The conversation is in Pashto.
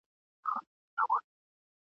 آس هم ښکلی هم د جنګ وي هم د ننګ وي !.